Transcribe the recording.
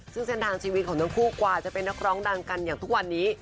ซึ่งเส้นทางชีวิตของทั้งคู่กว่าจะเป็นนักร้องดังกันอย่างทุกวันนี้